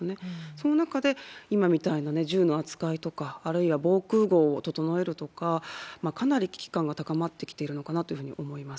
その中で、今みたいな銃の扱いとか、あるいは防空ごうを整えるとか、かなり危機感が高まってきてるのかなというふうには思います。